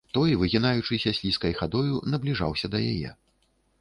Той, выгінаючыся слізкай хадою, набліжаўся да яе.